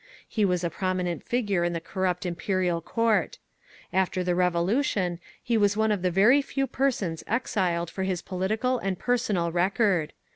He was a prominent figure in the corrupt Imperial Court. After the Revolution, he was one of the very few persons exiled for his political and personal record.